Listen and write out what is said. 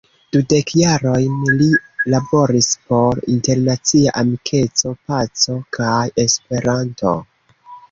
Dudek jarojn li laboris por internacia amikeco, paco kaj Esperanto.